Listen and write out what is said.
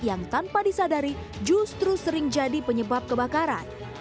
yang tanpa disadari justru sering jadi penyebab kebakaran